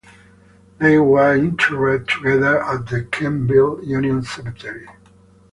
They were interred together at the Kemptville Union Cemetery.